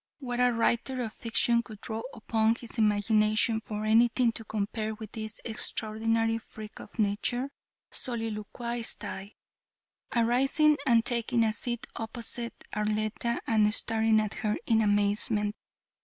What writer of fiction could draw upon his imagination for anything to compare with this extraordinary freak of nature?" soliloquized I, arising and taking a seat opposite Arletta and staring at her in amazement.